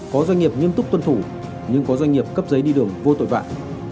có doanh nghiệp nghiêm túc tuân thủ nhưng có doanh nghiệp cấp giấy đi đường vô tội vạ